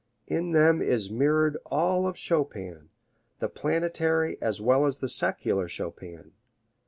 In them is mirrored all of Chopin, the planetary as well as the secular Chopin.